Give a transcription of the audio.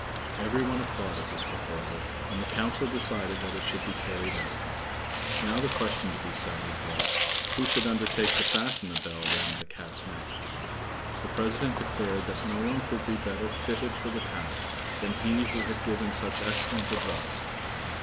Every one applauded this proposal, and the council decided that it should be carried out. Now the question to be settled was, who should undertake to fasten the bell round the Cat's neck? The president declared that no one could be better fitted for the task than he who had given such excellent advice.